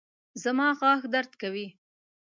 زما غاښ درد کوي